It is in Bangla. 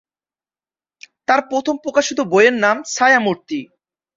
তার প্রথম প্রকাশিত বইয়ের নাম 'ছায়া-মূর্তি'।